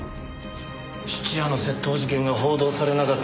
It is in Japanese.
質屋の窃盗事件が報道されなかったんでね。